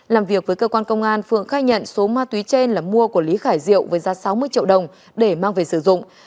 làm việc với cơ quan công an phượng khai nhận số ma túy trên là mua của lý khải diệu với giá sáu mươi triệu đồng để mang về sử dụng